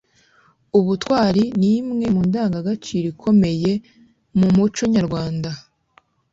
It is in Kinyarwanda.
ubutwari ni imwe mu ndangagaciro ikomeye mu muco nyarwanda